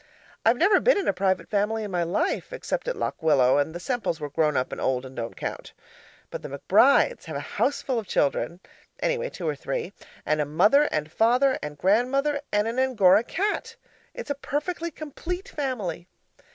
I've never been in a private family in my life, except at Lock Willow, and the Semples were grown up and old and don't count. But the McBrides have a houseful of children (anyway two or three) and a mother and father and grandmother, and an Angora cat. It's a perfectly complete family!